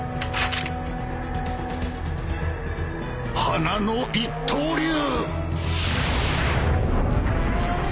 花の一刀流！